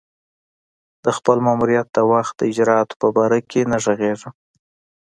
د خپل ماموریت د وخت د اجرآتو په باره کې نه ږغېږم.